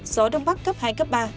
gió đông bắc cấp hai cấp ba